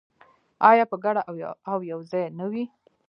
آیا په ګډه او یوځای نه وي؟